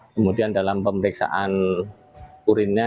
kemudian dalam pemeriksaan urinnya